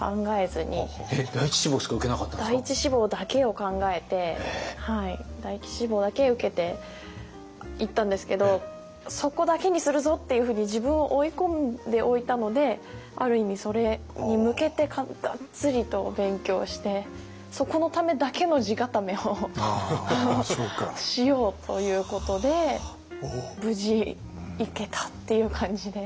第１志望だけを考えて第１志望だけ受けていったんですけどそこだけにするぞっていうふうに自分を追い込んでおいたのである意味それに向けてがっつりと勉強してそこのためだけの地固めをしようということで無事行けたっていう感じで。